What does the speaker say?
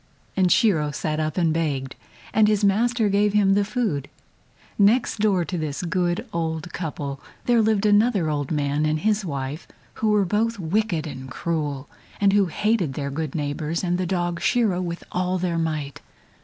and Shiro sat up and begged, and his master gave him the food. Next door to this good old couple there lived another old man and his wife who were both wicked and cruel, and who hated their good neighbors and the dog Shiro with all their might.